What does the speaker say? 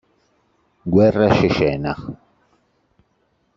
Guerra cecena